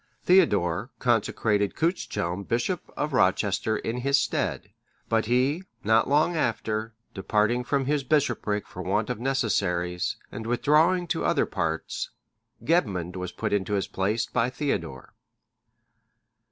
Theodore consecrated Cuichelm bishop of Rochester in his stead; but he, not long after, departing from his bishopric for want of necessaries, and withdrawing to other parts, Gebmund was put in his place by Theodore.